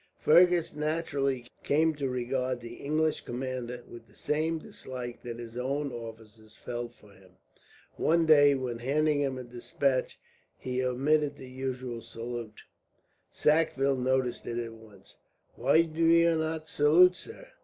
Fergus naturally came to regard the English commander with the same dislike that his own officers felt for him. One day, when handing him a despatch, he omitted the usual salute. Sackville noticed it at once. "Why do you not salute, sir?"